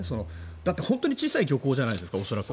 だって本当に小さい漁港じゃないですか。